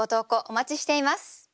お待ちしています。